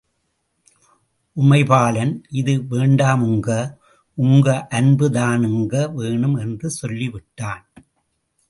உமைபாலன், இது வேண்டாமுங்க உங்க அன்புதானுங்க வேணும் என்று சொல்லி விட்டான்.